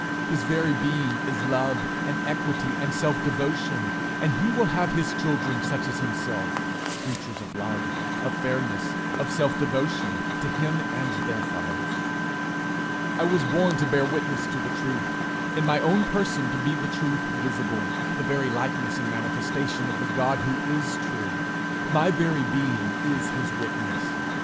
His very being is love and equity and self devotion, and he will have his children such as himself creatures of love, of fairness, of self devotion to him and their fellows. I was born to bear witness to the truth in my own person to be the truth visible the very likeness and manifestation of the God who is true. My very being is his witness.